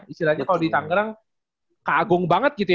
istilahnya kalo di tanggerang keagung banget gitu ya